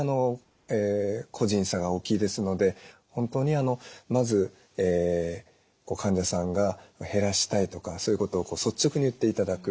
本当にまず患者さんが減らしたいとかそういうことを率直に言っていただく。